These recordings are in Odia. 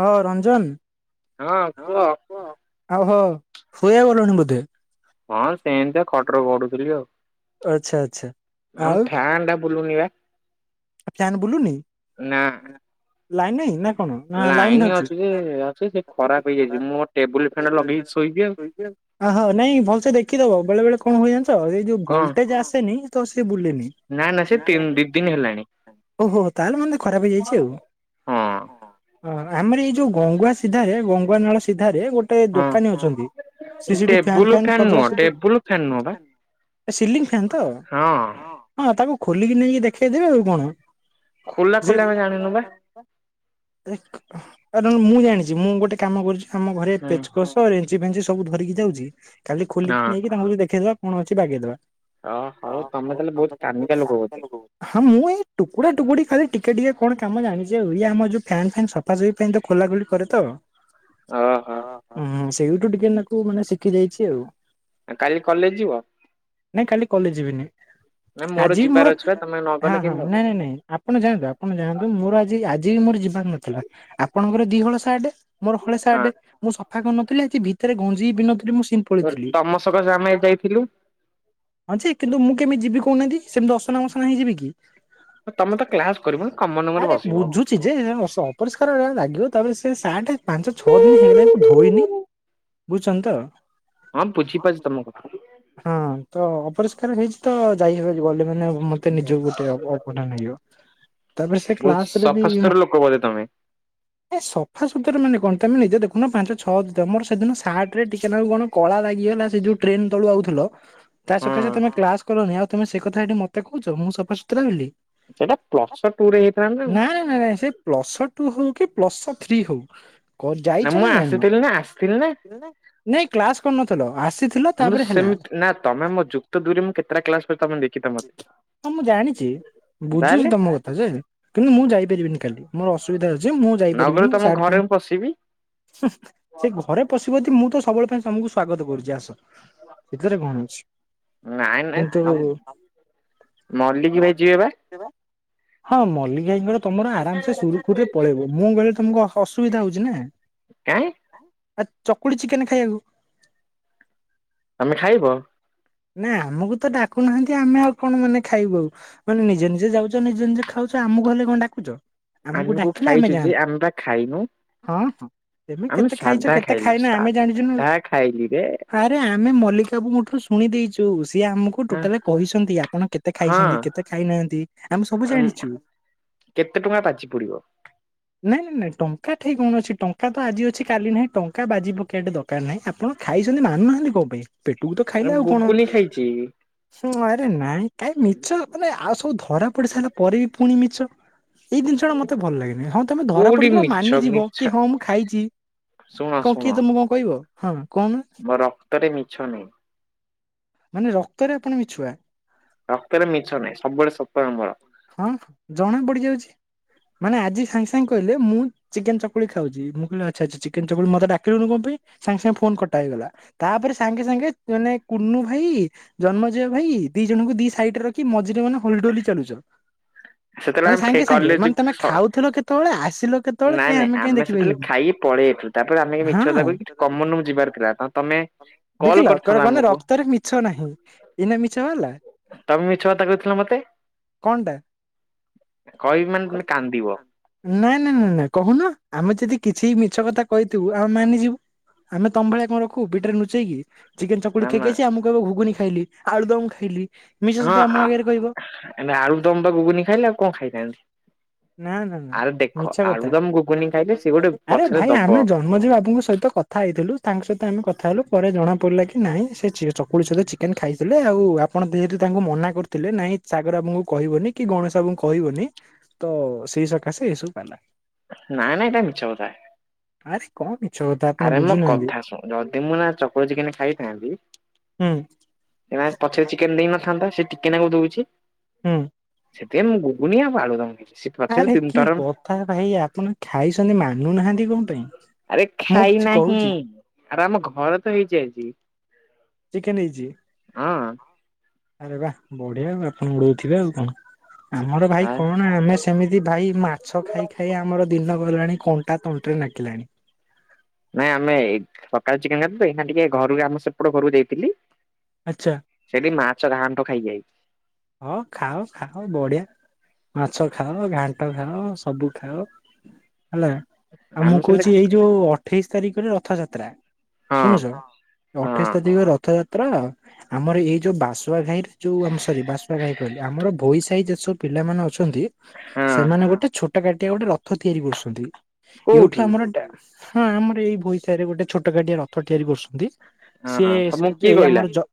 ହଁ ରଞ୍ଜନ। ହଁ କୁହ। ଆଉ ହୋ ଶୋଇବାକୁ ଗଲୁଣି ବୋଧେ? ହଁ ସେମତିଆ ଖଟରେ ଗଡୁଥିଲି ଆଉ। ଆଚ୍ଛା ଆଚ୍ଛା। ଆମ ଆଉ ଫ୍ୟାନଟା ବୁଲୁନି ବା। ଆ ଫ୍ୟାନ୍ ବୁଲୁନି? ନା ଲାଇନ୍ ନାହିଁ ନା କଣ ନା ଲାଇନ ଲାଇନ୍ ଅଛି? ଯେ ଅଛି ସେ ଖରାପ ହେଇଯାଇଛି ମୁଁ ମୋ ଟେବୁଲ ଫ୍ୟାନ ଲଗେଇକି ଶୋଇଛି ଆଉ ଓହୋ, ନାଇଁ ଭଲସେ ଦେଖିଦବ, ବେଳେ ବେଳେ କଣ ହୁଏ ଜାଣିଛ ଏଇ ଯୋଉ କଣ ଭୋଲଟେଜ୍ ଆସେନି ତ ସେ ବୁଲେନି। ନା ନା ସେ ତିନ୍ ଦି ଦିନ ହେଲାଣି। ଓହୋ, ହୋ ତାହେଲେ ମାନେ ଖରାପ ହେଇଯାଇଛି ଆଉ। ହଁ ହଁ, ହଁ ଆମର ଏଇ ଯୋଉ ଗଙ୍ଗୁଆ ସିଧାରେ ଗଙ୍ଗୁଆ ନାଳ ସିଧାରେ ଗୋ ଟେ ହଁ ଦୋକାନୀ ଅଛନ୍ତି ସେ ସିଏ ସେଠି ଫ୍ୟାନ୍ ଟେବୁଲ ଫ୍ୟାନ୍ ଫ୍ୟାନ ସଜଡା ନୁହଁ ସଜଡି ଟେବୁଲ ଫ୍ୟାନ ନୁହଁ ବା ଏ ସିଲଙ୍ଗ ଫେନ୍ ତ? ହଁ ହଁ ତାକୁ ଖୋଲିକି ନେଇକି ଦେଖେଇଦବେ ଆଉ କଣ। ଖୋଲା ଯେ ଖୋଲା ଆମେ ଜାଣିନୁ ବା ଏ ଏ ନହନେ ମୁଁ ଜାଣିଚି ମୁଁ ଗୋଟେ କାମ କରୁଛି ଆମ ଘରେ ହୁଁ ପେଚକୋସ୍ ତ ରେଞ୍ଚି ଫେଞ୍ଚି ସବୁ ଧରିକି ଯାଉଛି, କାଲି ଖୋଲିକି ହଁ ନେଇକି ତାଙ୍କ [unintelligible] ଦେଖେଇଦବା କଣ ଅଛି ବାଗେଇଦବା। ଓ ହଉ ତୋମେ ତାହେଲେ ବହୁତ କାମିକା ଲୋକ ବୋଧେ। ହଁ ମୁଁ ଏଇ ଟୁକୁଡ଼ା ଟୁକୁଡ଼ି ଖାଲି ଟିକେ ଟିକେ କଣ କାମ ଜାଣିଚି ଆଉ, ଇଏ ଆମର ଯୋଉ ଫ୍ୟାନ୍ ଫ୍ୟାନ୍ ସଫା ସଫି ପାଇଁ ତ ଖୋଲାଖୋଲି କରେ ତ। ଓହୋ ହୁଁ, ସେଇଠୁ ଟିକେ ନାକୁ ମାନେ ଶିଖି ଯାଇଛି ଆଉ। ଆ, କାଲି କଲେଜ୍ ଯିବ? ନାଇଁ କାଲି କଲେଜ ଯିବିନି ନା ଆଜି ଯିବାର ମୋର ଅଛି ବା ତମେ ନଗଲେ ହ ହଁ। କେମିତି [inaudible] ହବ ନାଇଁ ଆପଣ ଯାଆନ୍ତୁ, ଆପଣ ଯାଆନ୍ତୁ ମୋର ଆଜି ଆଜି ମୋର ଯି [inaudible] ନଥିଲା, ଆପଣଙ୍କର ଦି ହଳ ସାଟେ, ମୋର ହଳେ ସାଟେ, ମୁଁ ସଫା କରନଥିଲି ଆଜି ଭି ଥିରେ ଗଞ୍ଜି ବି ପିନ୍ଧି ନ ଥିଲି ମୁଁ ସିମ୍ ହଁ ପଳେଇଥିଲି। ତମ ସକାଶେ ଆମେ ଯାଇଥିଲୁ ଅଛି କିନ୍ତୁ ମୁଁ କେମିତି ଯିବି କହୁନାହାନ୍ତି ସେମିତି ଅସନା ମସନା ହେଇଯିବି କି ତମେ ତ କ୍ଲାସ କରିବନି କମନ ଆରେ ରୁମରେ ବସିବ। ଯେ ବୁଝୁଛି ସେ ଅସ ଅପରିଷ୍କାର ଲାଗିବ ତାପରେ ସେ ସାଟେ ପାଞ୍ଚ ଛଅ ଦିନ ହେଇ ଗଲାଇ ମୁଁ ଧୋଇନି। ବୁଝୁଛନ୍ତି ତ। ହଁ ବୁଝିପାରୁଛି ତମ କଥା। ହଁ ତ ଅପରିଷ୍କାର ହେଇଛି ତ ଯାଇହବ ଗଲେ ମାନେ ମତେ ନିଜକୁ ଗୋଟେ ଅ ବ ଗୋଟା ନେଇଯିବ ତାପରେ ସେ ବହୁତ କ୍ଲାସ ରେ ବି। ସଫାସୁତୁରା ଲୋକ ବୋଧେ ତମେ ଏ ସଫାସୁତୁରା ମାନେ କଣ ତମେ ନିଜେ ଦେଖୁ ନ ପାଞ୍ଚ ଛଅ ତମର ସେଦିନ ସାଟରେ ଟିକେ୍ ନାକୁ କଣ। କଳା ଲାଗିଗଲା ସେ ଯୋଉ ଡ୍ରେନ ତଳୁ ଆଉଥିଲ। ତା ସକାଶେ ହଁ ତୋମେ କ୍ଲାସ୍ କଲନି, ଆଉ ତୋମେ ସେ କଥା ଏଠି ମୋତେ କହୁଛ, ମୁଁ ସଫାସୁତରା ହେଲି। ସେଇଟା ପ୍ଲସ ର ଟୁ ରେ ହେଇଥାନ୍ତା ନା। ନାଇଁ ନାଇଁ ସେ ପ୍ଲସ ଟୁ ହଉ କି ପ୍ଲସ ଥ୍ରୀ ହଉ କୋଉ ମୁଁ ଯାଇଥିଲେ ନା ଆସିଥିଲି ଆସିଥିଲି ନା [unintelligible] ନାଇଁ କ୍ଲାସ୍ କରିନଥିଲ ଆସିଥିଲ ମୁଁ ତ ତାପରେ ହେଲା ସେମିତି ନା ତମେୋ ଯୁତ ଦୁରରେ ମୁଁ କେତଟା କ୍ଲାସ ପରେ ତମି। ହଁ ମୁଁ ଜାଣିଛି ବୁଝୁଛି ତାହେଲେ ତମ କଥା ଯେ କିନ୍ତୁ ମୁଁ ଯାଇପାରିବିନି କାଲି ମୋର ଅସୁବିଧା ଅଛି ମୁଁ ନଗଲେ ଯାଇପାରିବିନି ମୁ ତମ ସାଟ୍ ଘରେ ମୁଁ ପଶିବି। ହୁଁ ସେଇ ଘରେ ପଶିବ ଯଦି ମୁଁ ତ ସବୁବେଳେ ପାଇଁ ତମକୁ ସ୍ଵାଗତ କରୁଛି ଆସ୍। ସେଥିରେ କଣ ଅଛି ନାଇଁ ନାଇଁ କିନ୍ତୁ ମଲ୍ଲିକ ଭାଇ ଯିବେ ବା ହଁ ମଲ୍ଲିକ୍ ଭାଇଙ୍କର। ତମର ଆରାମସେ ସୁରୁଖୁରୁରେ ପଳେଇବ ମୁଁ ଗଲେ ତମକୁ ଅ ଅସୁବିଧା ହଉଛି ନା। କାଇଁ ଆ ଚକୁଳି ଚିକେନ ଖାଇବାକୁ ଆମେ ଖାଇବ ନା ଆମକୁ ତ ଡାକୁନାହାନ୍ତି। ଆମେ ଆଉ କଣ ମାନେ ଖାଇବୁ ଆଉ ମାନେ ନିଜେ ନିଜେ ଯାଉଛ ନିଜେ ନିଜେ ଖାଉଛ ଆମକୁ ହେଲେ କଣ ଡାକୁଚ ଆମକୁ ଡାକିଲେ ଆମେ ଖାଇଛୁ ଯେ ଯାଆନ୍ତୁ ବା ଖାଇନୁ ହଁ। ଆମେ କେତେ ଖାଇଛ ସାଧା କେତେ ଖାଇଲୁ ଖାଇନ ଆମେ ଜାଣିଛୁ ନା। ସାଧା ଖାଇଲିରେ ଆରେ ଆମେ ମଲିକ ବାବୁଙ୍କ ଠୁ ଶୁଣି ଦେଇଛୁ ସିଏ ଆମକୁ ଟୋଟାଲେ ଆପଣ କେତେ ଖାଇଛନ୍ତି ହଁ କେତେ ଖାଇନାହାନ୍ତି ଆମେ ସବୁ ଜାଣିଛୁ। କେତେ ଟଙ୍କା ବାଜି ପଡିବ? ନାଇଁ ନାଇଁ ନାଇଁ ଟଙ୍କା ଠିକ କଣ ଅଛି ଟଙ୍କା ତ ଆଜି ଅଛି କାଲି ନାହିଁ ଟଙ୍କା ବାଜି ପକେ ନାାଇଁ ଆପଣ ଖାଇଛନ୍ତି ମାନୁନାହାନ୍ତି କଣ ପାଇଁ, ପେଟକୁ ତ ଖାଇଲେ ତ ଆଉ କଣ କିଏ? ହୁଁ ଆରେ ନାଇଁ କାଇଁ ମିଛ ମାନେ ଆଉ ସବୁ ଧରା ପଡି ସାରିଲା ପରେ ବି ପୁଣି ମିଛ। ଏଇ ଜିନିଷଟଡା ମତେ ଭଲ ଲାଗେନି ହଁ ତମେ ଧରା କୋଉଠି ପଡିକି ମିଛ ମାନିଯିବ ମିଛ କି ହଁ ମୁଁ ଖାଇଚି। ଶୁଣ କ ଶୁଣ କିଏ ତମକୁ କଣ କହିବ ହଁ କ ମୋ ରକ୍ତରେ ମିଛ ନାହିଁ। ମାନେ ରକ୍ତରେ ଆପଣ ମିଛୁଆ। ରକ୍ତରେ ମିଛ ନାହିଁ, ସବୁବେଳେ ସତ ଆମର। ହଁ ଜଣା ପଡି ଯାଉଛି ମାନେ ଆଜି ସାଙ୍ଗେ ସାଙ୍ଗେ କହିଲେ ମୁଁ ଚିକେନ ଚକୁଳି ଖାଉଚି, ମୁଁ କହିଲି ଆଛା ଆଛା ଚିକେନ ଚକୁଳି ମତ ଡାକିଲୁନି କଣ ପାଇଁ? ସାଙ୍ଗେ ସାଙ୍ଗେ ଫୋନ କରି ଡାକିଦେଲା। ତାପରେ ସାଙ୍ଗେ ସାଙ୍ଗେ ମାନେ କୁନୁ ଭାଇ ଜନ୍ମେଜୟ ଭାଇ ଦି ଜଣଙ୍କୁ ଦି ସାଇଡ ରେ ରଖି ମଝିରେ ମାନେ ହୋଲିଲଡୋଲି ଚାଲୁ। ସେତେବେଳେ ମାନେ ଆମେ ଫେ ସାଙ୍ଗେ ସାଙ୍ଗେ କଲେଜ ମାନେ ତମେ ସ ଖାଉଥିଲ କେତେବେଳେ ଆସିଲ କେତେବେଳେ ନାଇଁ କାଇଁ ନାଇଁ କାଇଁ ଆମେ ସେତେବେଳେ ଦେଖିପାରିଲୁନି ଖାଇକି ପଳେଇଥିଲୁ, ତାପରେ ଆମେ ମିଛ ହଁ କଥା କହିକି କମନ ରୁମ କୁ ଯିବାର ଥିଲା ତ ତାମାନେ ଦେଖିଲ କୁଆଡେ ଗଲା ରକ୍ତରେ ମିଛ ନାହିଁ, ଏଇନା ମିଛ ବାହାରିଲା। ତମେ ମିଛ କଥା କହିଥିଲ ମତେ କଣଟା କହିବି ମାନେ ତମେ କାନ୍ଦିବ। ନାଇଁ ନାଇଁ ନାଇଁ ନାଇଁ କହୁନ ଆମେ ଯଦି କିଛି ମିଛ କଥା କହିଥିବୁ ଆମେ ମାନିଯିବୁ। ଆମେ ତମ ଭଳିଆ କଣ ରଖୁ ପିଠାରେ ଲୁଚେଇକି। ଚିକେନ ନା ଚକୁଳି ନା ଖାଇକି ଆସିଛି ଆମକୁ କହିବ ଘୁଗୁନ ଖାଇଲି ଆଳୁଦମ ଖାଇଲି ମିଛ ହଁ ସତ ଆ ଆମ ଆଗରେ କହିବ। ଆଳୁଦମ ତ ଗୁଗୁନି ଖାଇଲି ଆଉ କଣ ଖାଇଥାନ୍ତି? ନା ନା ନା ଆରେ ଦେଖ ମିଛ କଥା ଆଳୁ ଦମ ଗୁଗୁନି ଖାଇଲେ ସିଏ ଗୋଟେ ପଛରେ ଦବ। ଆଝି ବାବୁଙ୍କ ସହିତ କଥା ହେଇଥିଲୁ ତାଙ୍କ ସହିତ ଆମେ କଥା ହେଲୁ ପରେ ଜଣା ପଡିଲା କି ନାଇଁ ସେ ଚକୁଳି ସହିତ ଚିକେନ ଖାଇଥିଲେ ଆଉ ଆପଣ ଯେହେତୁ ତାଙ୍କୁ ମନା କରିୁଥିଲେ ନାଇଁ ସାଗର ବାବୁଙ୍କୁ କହିବନି କି ଗଣେଶ ବାବୁଙ୍କୁ କହିବନି ତ ସେଇ ସକାଶେ ଏଇସବୁ ପାଲା। ନାଇଁ ନାଇଁ ଏଟା ମିଛ କଥା। ଆରେ କଣ [unintelligible] ଆରେ ମୋ ବୁଝୁନାହାନ୍ତି କଥା ଶୁଣ ଯଦି ମୁଁ ନା ଚକୁଳି ଚିକେନ ଖାଇଥାନ୍ତି ହୁଁ। ନା ପଛରେ ଚିକେନ ଦେଇ ନଥାନ୍ତା ସେ ଟିକେ ନାକୁରୁ ଦୋଉଚି। ହୁଁ। ସେଠି ମୁଁ ଗୁଗୁନି ଆଉ ଆଳୁଦମ ଖାଇଛି। ପଛରେ ଆରେ ତିନି କି ଥର କଥା ଭାଇ ଆପଣ ଖାଇଛନ୍ତି ମାନୁନାହାନ୍ତି କଣ ପାଇଁ ଆରେ ମୁଁ ଖାଇ କିଛି ନାହିଁ କହୁଚି ଆରେ ଆମ ଘରେ ତ ହେଇଛି ଆଜି। ଚିକେନ ହେଇଛି ହଁ ଆରେ ବା ବଢିଆ ଆ ଆପଣ ଉଡୋଉ ଥିବେ ଆଉ କଣ? ଆମର ଭାଇ ଆ କଣ ଆମିଶ? ସେମିତି ଭାଇ ମାଛ ଖାଇ ଖାଇ ଆମର ଦିନ ଗଲାଣି କଣ୍ଟା ତଣ୍ଟିରେ ଲାଗିଲାଣି। ନାଇଁ ଆମେ ସକାଳୁ ଚିକେନ୍ ଖାଇଥିଲୁ, ତ ଏଇନା ଟିକେ ଘରୁ ଆମ ସେପଟ ଘରକୁ ଯାଇଥିଲି ଆଚ୍ଛା। ସେଠି ମାଛ ଘାଣ୍ଠ ଖାଇକି ଆଇଲି। ହଁ ଖାଅ ଖାଅ ବଢିଆ ମାଛ ଖାଅ ଘାଣ୍ଟ ଖାଅ ସବୁ ଖାଅ ହେଲା ଆଉ ମୁଁ ଆମେ କହୁଚି ସେମିତି ଏଇ ଯୋଉ ଅଠେଇଶି ତାରିଖରେ ରଥଯାତ୍ରା। ହଁ ଶୁଣୁଚ ହଁ ଅଠେଇଶି ତାତିଖ ରଥଯାତ୍ରା ଆମର ଏଇ ଯୋଉ ବାସୁଆ ଘାଇର ଯୋଉ ଆମ ସରି ବାଶୁଆ ଘାଇ କହିଲି ଆମର ଭୋଇ ସାହି ଯେ ସବୁ ପିଲାମାନେ ଅଛନ୍ତି। ହଁ ସେମାନେ ଗୋଟେ ଛୋଟ କାଟିଆ ଗୋଟେ ରଥ ତିଆରି କରୁସନ୍ତି ଏଇଠୁ କୋଉଠି ଆମର ଡା ହଁ ଆମର ଏଇ ଭୋଇସାହି ରେ ଗୋଟେ ଛୋଟ କାଟିଆ ରଥ ତିଆରି କରୁସନ୍ତି ସିଏ ହଁ ସେ ତମକୁ କିଏ ଏଇ କହିଲା ଆମର ଜ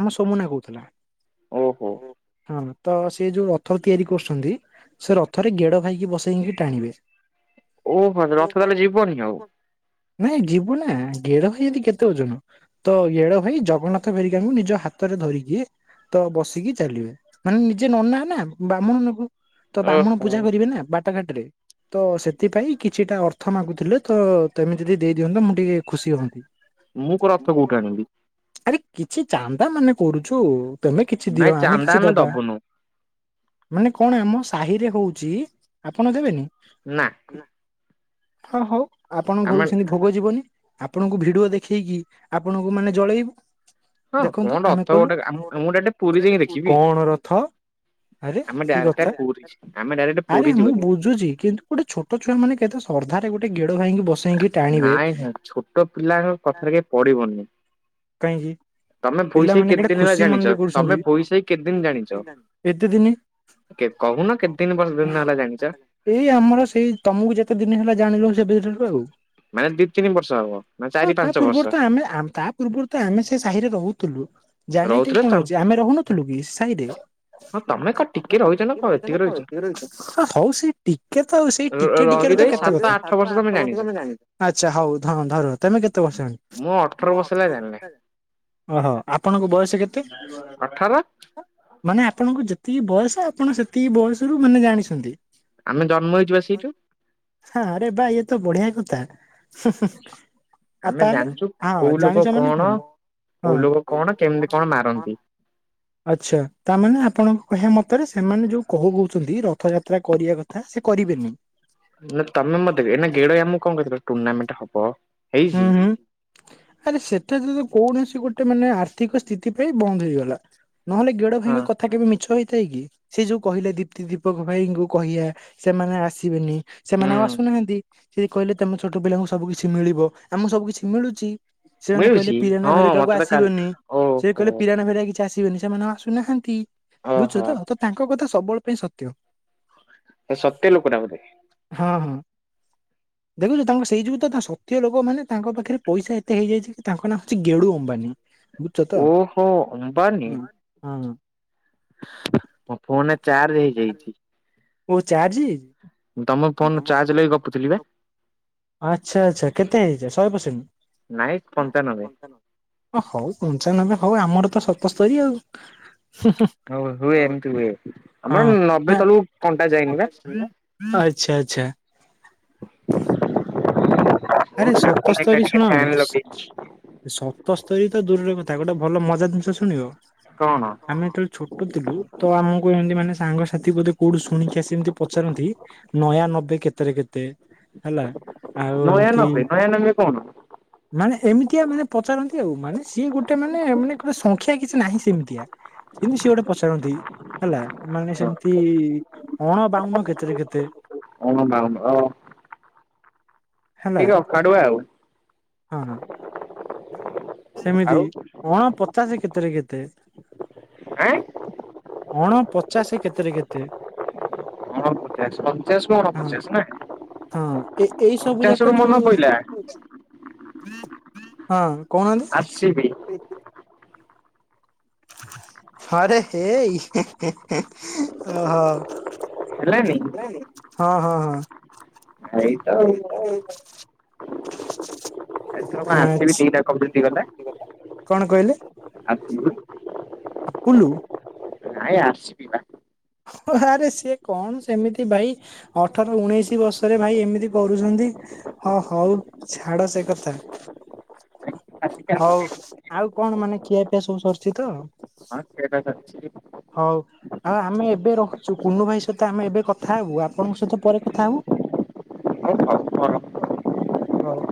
ଆମ ସୋମୁନା କହୁଥିଲା। ଓହୋ। ହଁ ତ ସେ ଯୋଉ ରଥ ତିଆରି କରୁସନ୍ତି ସେ ରଥରେ ଗେଡ ଭାଇକି ବସେଇଙ୍କି ଟାଣିବେ। ଓହ ରଥ ତାହାଲେ ଯିବନି ଆଉ? ନାଇଁ ଯିବୁ ନା ଗେଡ ଭାଇ ଏନ୍ତି କେତେ ଓଜନ। ତ ଗେଡ଼ ଭାଇ ଜଗନ୍ନାଥ ହେରିକାଙ୍କୁ ନିଜ ହାତରେ ଧରିକି ତ ବସ କି ଚାଲିବେ ମାନେ ନିଜେ ନନା ନା ବ୍ରାହ୍ମୁଣ ନବୁ ତ ବ୍ରାହ୍ମୁଣ ଓହୋ ପୂଜା କରିବେ ନା ବା ତା ଘାଟରେ ତ ସେଥିପାଇଁ କିଛିଟା ଅର୍ଥ ମାଗୁଥିଲେ ତ ତେମେ ଯଦି ଦେଇ ଦିଅନ୍ତ ମୁଁ ଟିକେ ଖୁସି ହୁଅନ୍ତି। ମୁଁ କଣ ରଥ କୋଉଠୁ ଆଣିବି ଆରେ କିଛି ଚାନ୍ଦା ମାନେ କରୁଛୁ ତମେ କି ଛି ନାଇଁ ଦିଅ ଆମେ ଚାନ୍ଦା କିଛି ଦବା ଦବୁନୁ ମାନେ କଣ ଆମ ସାହିରେ ହଉଚି ଆପଣ ଦେବେନି? ନା ହଁ ହଉ ଆପଣ ଆମେ ଘରକୁ ସେମିତି ଭୋଗ ଯିବନି ଆପଣଙ୍କୁ ଭିଡିଓ ଦେଖେଇକି ଆପଣଙ୍କୁ ମାନେ ଜଳେଇବୁ ହଁ କଣ ଦେଖନ୍ତୁ ଆମେ ରଥ କଲୁ। ଗୋଟେ ମୁଁ ଡାଇରେକ୍ଟ ପୁରୀ ଯାଇକି ଦେଖିବି। କଣ ରଥ ଆରେ ଆମେ କି ଡାଇରେକ୍ଟ କଥା ପୁରୀ ଆମେ ଡାଇରେକ୍ଟ ଆରେ ପୁରୀ ମୁଁ ଯିବୁ। ବୁ ବୁଛିଚି କିନ୍ତୁ ଗୋଟେ ଛୋଟ ଛୁଆ ମାନେ କେତେ ଶ୍ରଦ୍ଧା ରେ ଗୋଟେ ଗେଡ ଭାଇଙ୍କି ବସ ନାଇଁ ନାଇଁ ଛୋଟ ପିଲାଙ୍କ କଥାରେ କେବେ ପଢିବନି। କାହିଁକି? ପିଲାମାନେ କେଡେ ଖୁସି ଜାଣିଛ ମନରେ ତମେ କରୁସନ୍ତି ଭୋଇ ସାହି କେତେ ଦିନ ଏତେ ଦିନି କେ କହୁନ କେତେ ଦିନ ବର୍ଷ ଦିନ ହେଲା ଜାଣିଚ? ଏଇ ଆମର ସେଇ ତମକୁ ଯେତେ ଦିନ ହେଲା ଜାଣିଲୁନି ସେ ବେ ଦିନଠୁ ଆଉ। ମାନେ ଦି ତିନି ବର୍ଷ ହବ ନା ଚାରି ହଁ ତା ପାଞ୍ଚ ବର୍ଷ ପୂର୍ବରୁ ତ ଆମେ ଆମ ତା ପୂର୍ବରୁ ତ ଆମେ ସେ ସାହିରେ ରହୁଥିଲୁ ଜାଣିବା ଟିକେ ରହୁଥିଲେ ତ? କଣ ଅଛି ଆମେ ରହୁନଥିଲୁ କି ସାହିରେ? ହଁ ତମେ ଅ କଣ ଟିକେ ରହିଛ ନା କଣ ଏତିକି ରହିଛ ହଁ ହଉ ସେ ଟିକେ ତ ସେଇ ଟିକେ ଟିକେରେ ରହି ତ ରହି କେତେ ସାତ କଥା ଆଠ ବର୍ଷ ତମେ ଜାଣିଛ। ଆଛା ହଉ ଧ ଧର ତମେ କେତେ ବର୍ଷ ଅଣି? ମୁଁ ଅଠର ବର୍ଷ ହେଲା ଜାଣିନାହିଁ। ଅହୋ ଆପଣଙ୍କ ବୟସ କେତେ? ଅଠର। ମାନେ ଆପଣଙ୍କୁ ଯେତିକି ବୟସ ଆପଣ ସେତିକି ବୟସରୁ ମାନେ ଜାଣିସନ୍ତି। ଆମେ ଜନ୍ମ ହେଇଯିବା ସେଇଠୁ ହା ଆରେ ବା ୟେତ ବଢିଆ କଥା। ଆ ଆମେ ତାହଲେ ଜାଣିଛୁ ହଁ। କୋଉ ଲୋକ ଜାଣିଚ ମାନେ କଣ କୋଉ ହଁ। ଲୋକ କଣ କେମିତି କଣ ମାରନ୍ତି। ଆଚ୍ଛା ତାମାନେ ଆପଣ କହିବା ମତରେ ସେମାନେ ଯୋଉ କହୁ କହୁଛନ୍ତି ରଥଯାତ୍ରା କରିବା କଥା ସେ କରିବେନି? ନା ତମେ ମତେ କେ ଏନା ଗେଡଆଇ ମୁଁ କଣ କହିଥିଲ ଟୁର୍ଣ୍ଣାମେଣ୍ଟ ହବ ହୁଁ ହେଇଚି? ହୁଁ ଆରେ ସେଠା ତ ତ କୌଣସି ଗୋଟେ ମାନେ ଆର୍ଥିକ ସ୍ଥିତି ପାଇଁ ବନ୍ଦ ହେଇଗଲା ନହେଲେ ଗେଡ ହଁ ଭାଇଙ୍କ କ କଥା କେବେ ମିଛ ହେଇଥାଏ କି ସିଏ ଯୋଉ କହିଲା ଦୀପ୍ତି ଦୀପକ ଭାଇଙ୍କୁ କହିଲା ସେମାନେ ଆସିବେନି ହୁଁ ସେମାନେ ଆଉ ଆସୁନାହାନ୍ତି ସେ କହିଲେ ତମ ଛୋଟ ପିଲାଙ୍କୁ ସବୁ କିଛି ମିଳିବ ଆମକୁ ସବୁ କିଛି ମିଳୁଚି। ସେମାନେ କହିଲେ ମିଳୁଛି ପିରାନା ହଁ ଭେରିକାକୁ ମତେ ତ କାଲି ଆସିବନି ସେ ଓହୋ କହିଲେ ପିରାନା ଭେରିକା କିଛି ଆସିବେନି ସେମାନେ ଆଉ ଆସୁନାହାନ୍ତି ବୁଚତ ଓହୋ ତ ତାଙ୍କ କଥା ସବୁବେଳ ପାଇଁ ସତ୍ୟ। ଏ ସତ୍ୟ ଲୋକଟା ବୋଧେ? ହଁ ହଁ ଦେଖୁଚୁ ତାଙ୍କ ସେଇ ଯଉ ତ ତା ସତ୍ୟ ଝ ଲୋକମାନୋନ ତାଙ୍କ ପାଖରେ ପଇସା ଏତେ ହେଇଯାଇଛି କି ତାଙ୍କ ନାଁ ହେଉଛି ଗେଡୁ ଅମ୍ବାନୀ। ବୁଝଛ ତ? ଓହୋ ଅମ୍ବାନୀ ହଁ ମୋ ଫୋନରେ ଚାର୍ଜ ହେଇଯାଇଛି। ଓ ଚାର୍ଜ। ତମ ଫୋନ ଚାର୍ଜ ଲାଗି ଗପୁଥିଲ ବା। ଆଛା ଆଛା କେତେ ହେଇଚି ଶହେ ପରସେଣ୍ଟ ନାଇଁ ପଞ୍ଚା ଲବେ। ହ ହଉ ପଞ୍ଚାନବେ ହଉ ଆମର ତ ସତସ୍ତରୀ ଆଉ। ହଉ ହୁଏ ଏମିତି ହୁଏ ହଁ। ଆମର ନବେ ତଳକୁ କଣ୍ଟା ଯାଇନି ବା। ଆଚ୍ଛା ଆଚ୍ଛା। ଆରେ ଟିକେ ସତସ୍ତରୀ ଶୁଣ ଫ୍ୟାନ ଲଗେଇଛି। ସ ତସ୍ତରୀ ତ ଦୂରରେ କଥା ଗୋଟେ ଭଲ ମଜା ଜିନିଷ ଶୁଣିବ? କଣ? ଆମେ ଯେତେବେଳେ ଛୋଟ ଥିଲୁ ତ ଆମକୁ ଏମିତି ମାନେ ସାଙ୍ଗସାଥି ବୋଧେ କୋଉଠୁ ଶୁଣିକି ଆସି ଏମିତି ପଚାରନ୍ତି। ନୟା ନବେ କେତେରେ କେତେ ହେଲା ଆଉ ନୟା ଏମିତି ନବେ ନୟା ନବେ କଣ? [inaudible] ମାନେ ଏମିତିଆ ମାନେ ପଚାରନ୍ତି ଆଉ ମାନେ ସିଏ ଗୋଟେ ମାନେ ମାନେ ଗୋଟେ ସଂଖ୍ୟା କିଛି ନାହିଁ ସେମିତିଆ। କିନ୍ତି ସେ ଗୋଟ ପଚାରନ୍ତି। ହେଲା ମାନେ ହଁ ସେମିତି ଅଣ ବାଉନ କେତେ ରେ କେତେ? ହଣ ବାଉନ ଓ। ହେଲା ଟିକେ ଅଖାଡୁଆ ଆଉ। ହଁ ହଁ। ସେମିତି ଆଉ ଅଣ ପଚାଶ କେତେରେ କେତେ? ଆଁ ଅଣ ପଚାଶ କେତେ ରେ କେତେ? ଅଣପଚାଶ ଅଣଞ୍ଚାସ କୁ ହଁ ଅଣପଚାଶ ନା? ହଁ ଏ ଏଇ ସବୁ ପଚାଶ ରୁ ଯାକ ମନେ ଯୋଉ ପଇଲା ହଁ ଆର୍ ସି ବି କହୁନାହାନ୍ତି। ହରେ ହେଇ ଓହୋ। ହେଲାନି ହଁ ହଁ ଏଇ ତ ଆଉ। ହଁ। [inaudible] ଏଥର କଣ ଆର ସି ବି ଆଛା ଦିଟା କପ୍ ଜିତିଗଲା। କଣ କହିଲେ? ଆସିବି। ଆପୁଲୁ। ନାଇଁ ଆର୍ ସି ବି ବା। ହ ଆରେ ସିଏ କଣ ସେମିତି ଭାଇ ଅଠର ଉଣେଇଶି ବର୍ଷରେ ଭାଇ ଏମିତି କରୁଛନ୍ତି। ହଁ ହଉ ଛାଡ ସେ କଥା। ହଉ ଆଉ କଣ ମାନେ ଖିଆ ପିଆ ସବୁ ସରିଛି ତ? [unintelligible] ହଉ ଆଉ ଆମେ ଏବେ ରହୁଛୁ କୁନୁ ଭାଇ ସହିତ ଆମେ ଏବେ କଥା ହବୁ ଆପଣଙ୍କ ସହିତ ପରେ କଥା ହବୁ। ହଉ ହଉ ହ ହଉ।